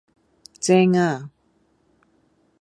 正呀！